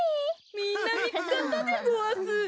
みんなみつかったでごわす。